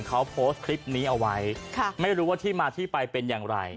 เขาโพสต์คลิปนี้เอาไว้ไม่รู้ว่าที่มาที่ไปเป็นอย่างไร